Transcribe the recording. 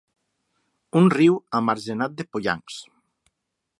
Un riu amargenat de pollancs.